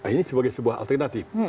ini sebagai sebuah alternatif